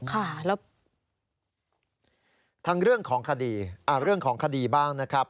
ทางเรื่องของคดีเรื่องของคดีบ้างนะครับ